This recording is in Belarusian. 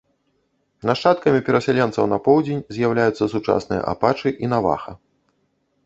Нашчадкамі перасяленцаў на поўдзень з'яўляюцца сучасныя апачы і наваха.